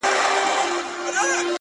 اور يې وي په سترگو کي لمبې کوې،